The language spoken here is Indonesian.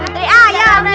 jempolnya dalam bunga